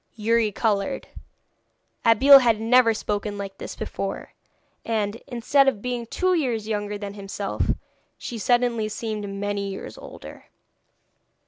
Youri coloured; Abeille had never spoken like this before, and, instead of being two years younger than himself, she suddenly seemed many years older.